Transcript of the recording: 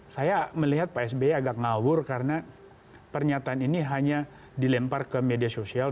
saya melihat pak sby agak ngawur karena pernyataan ini hanya dilempar ke media sosial